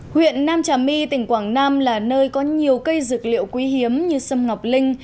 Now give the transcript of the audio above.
huyện nam trà my tỉnh quảng nam là nơi có nhiều cây dược liệu quý hiếm như sâm ngọc linh